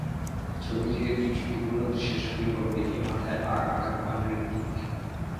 ছবিটির একটি ঝুঁকিপূর্ণ দৃশ্যের শুটিং করতে গিয়ে মাথায় আঘাত পান হৃতিক।